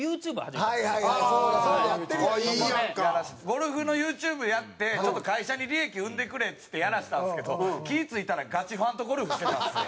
ゴルフのＹｏｕＴｕｂｅやってちょっと会社に利益生んでくれっつってやらせたんですけど気ぃ付いたらガチファンとゴルフしてたんですよ。